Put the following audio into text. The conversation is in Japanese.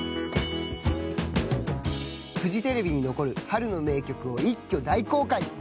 ［フジテレビに残る春の名曲を一挙大公開］